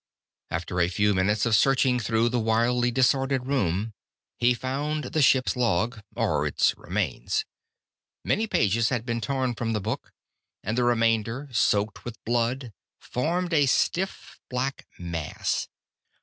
After a few minutes of searching through the wildly disordered room, he found the ship's log or its remains. Many pages had been torn from the book, and the remainder, soaked with blood, formed a stiff black mass.